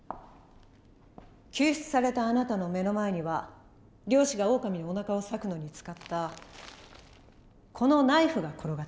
救出されたあなたの目の前には猟師がオオカミのおなかを裂くのに使ったこのナイフが転がっていた。